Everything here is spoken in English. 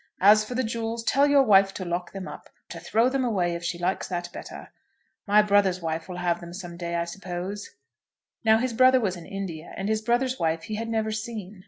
As for the jewels, tell your wife to lock them up, or to throw them away if she likes that better. My brother's wife will have them some day, I suppose." Now his brother was in India, and his brother's wife he had never seen.